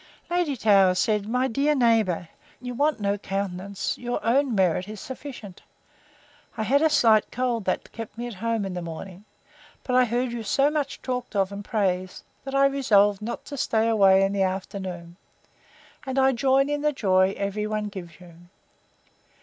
Lady Towers said, My dear neighbour, you want no countenance; your own merit is sufficient. I had a slight cold, that kept me at home in the morning; but I heard you so much talked of, and praised, that I resolved not to stay away in the afternoon; and I join in the joy every one gives you.